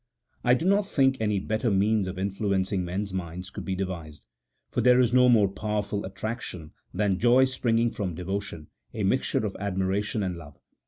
I do not think any better means of influencing men's minds could be devised; for there is no more powerful attraction than joy springing from devotion, a mixture of admiration and love.